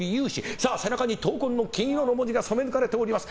さあ、背中に闘魂の金色の文字が染め抜かれております。